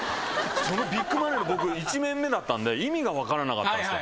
そのビッグマネーの僕１年目だったんで意味が分からなかったんですね。